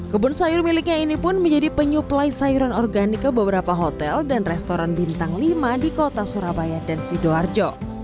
kebun sayur miliknya ini pun menjadi penyuplai sayuran organik ke beberapa hotel dan restoran bintang lima di kota surabaya dan sidoarjo